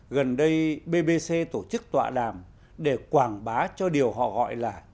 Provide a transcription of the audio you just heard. gần đây bbc tổ chức tọa đàm để quảng bá cho điều họ gọi là